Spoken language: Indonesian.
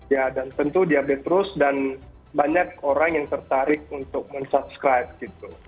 ya dan tentu diupdate terus dan banyak orang yang tertarik untuk men subscribe gitu